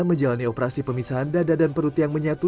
menjalani operasi pemisahan dada dan perut yang menyatu